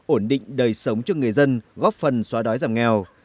ổn định đời sống cho người dân góp phần xóa đói giảm nghèo